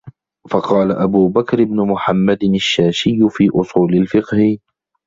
فَقَالَ أَبُو بَكْرِ بْنُ مُحَمَّدٍ الشَّاشِيُّ فِي أُصُولِ الْفِقْهِ